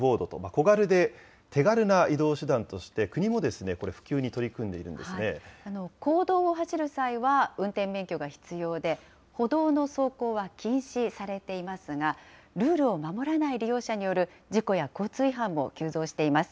小型で手軽な移動手段として、国もこれ、普及に取り組んでいるん公道を走る際は運転免許が必要で、歩道の走行は禁止されていますが、ルールを守らない利用者による事故や交通違反も急増しています。